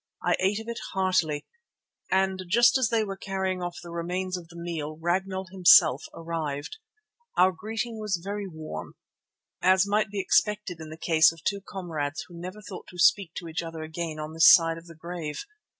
I ate of it heartily, and just as they were carrying off the remains of the meal Ragnall himself arrived. Our greeting was very warm, as might be expected in the case of two comrades who never thought to speak to each other again on this side of the grave.